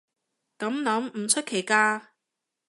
噉諗唔出奇㗎